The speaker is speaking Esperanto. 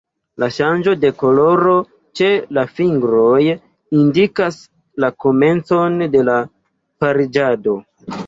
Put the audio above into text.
La ŝanĝo de koloro ĉe la fingroj indikas la komencon de la pariĝado.